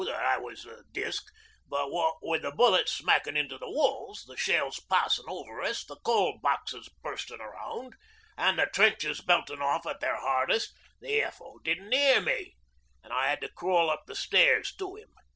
that I was disc, but what wi' the bullets smackin' into the walls, the shells passin' over us, the Coal Boxes bursting around, an' the trenches belting off at their hardest, the F.O. didn't 'ear me an' I 'ad to crawl up the stairs to 'im.